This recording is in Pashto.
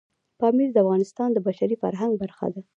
پامیر د افغانستان د بشري فرهنګ برخه ده.